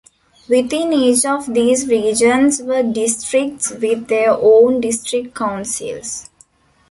Within each of these regions were districts with their own district councils.